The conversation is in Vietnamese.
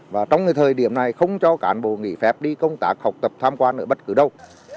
và trong thời điểm này không cho cán bộ nghỉ phép đi công tác học tập tham quan ở bất cứ đâu